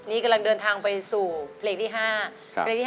นี่กำลังเดินทางไปสู่เพลงที่๕